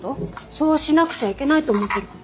そうしなくちゃいけないと思ってること？